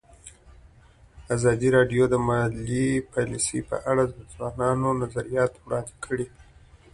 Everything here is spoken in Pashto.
ازادي راډیو د مالي پالیسي په اړه د ځوانانو نظریات وړاندې کړي.